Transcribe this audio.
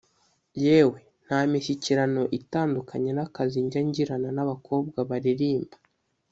yewe nta n’imishyikirano itandukanye n’akazi njya ngirana n’abakobwa baririmba”